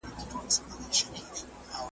يو په بل مي انسانان دي قتل كړي ,